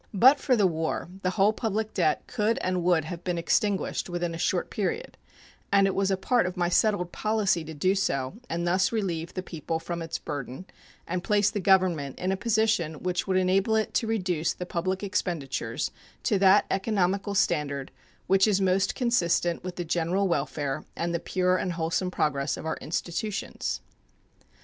But for the war the whole public debt could and would have been extinguished within a short period; and it was a part of my settled policy to do so, and thus relieve the people from its burden and place the Government in a position which would enable it to reduce the public expenditures to that economical standard which is most consistent with the general welfare and the pure and wholesome progress of our institutions.